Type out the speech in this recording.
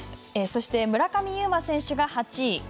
そして、村上右磨選手が８位。